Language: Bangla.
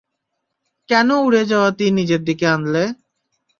কেন উড়ে যাওয়া তীর নিজের দিকে আনলে?